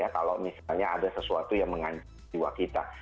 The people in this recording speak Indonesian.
kalau misalnya ada sesuatu yang mengancam jiwa kita